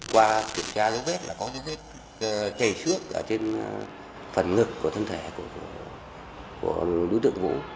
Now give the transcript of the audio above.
qua kiểm tra dấu vết là có những vết chảy xuống ở trên phần ngực của thân thể của đối tượng vũ